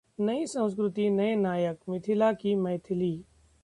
नई संस्कृति, नए नायकः मिथिला की मैथिली